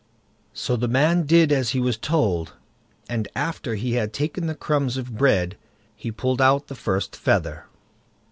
So the man did as he was told, and after he had taken the crumbs of bread, he pulled out the first feather.